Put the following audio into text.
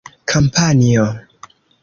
kampanjo